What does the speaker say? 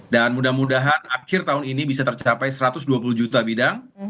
dan mudah mudahan akhir tahun ini bisa tercapai satu ratus dua puluh juta bidang